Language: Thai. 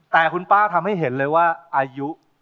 แต่คุณป้าทำให้เห็นเลยว่าอายุ